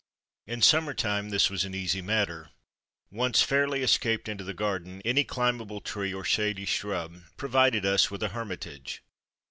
In summer time this was an easy matter ; once fairly escaped into the garden, any climbable tree or shady shrub provided us with a hermitage.